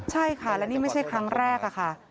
ใช่ค่ะและนี่ไม่ใช่ครั้งแรกค่ะ